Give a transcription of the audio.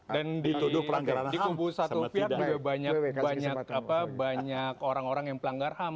dan dikumpul satu pihak banyak orang orang yang pelanggar ham